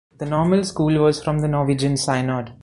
The Normal School was from the Norwegian Synod.